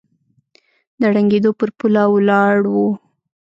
د ړنګېدو پر پوله ولاړ و